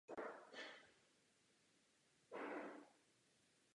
Cestuje po světě a upozorňuje na situaci v Tibetu.